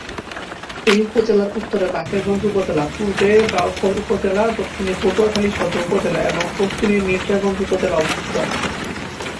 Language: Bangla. এই উপজেলার উত্তরে বাকেরগঞ্জ উপজেলা, পূর্বে বাউফল উপজেলা, দক্ষিণে পটুয়াখালী সদর উপজেলা এবং পশ্চিমে মির্জাগঞ্জ উপজেলা অবস্থিত।